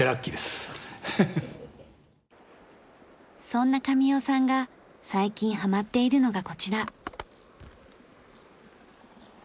そんな神代さんが最近ハマっているのがこちら。